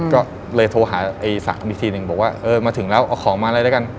ก็เลยโทรหาไอ้สามอีกทีหนึ่งบอกว่าเออมาถึงแล้วเอาของมาเลยด้วยกัน